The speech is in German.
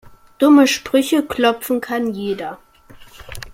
Dumme Sprüche klopfen kann jeder.